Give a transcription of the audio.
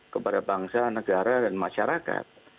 kepada bangsa negara dan masyarakat